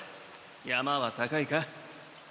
山は高いか？